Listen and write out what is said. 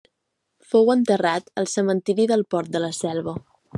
Fou enterrat al cementiri del Port de la Selva.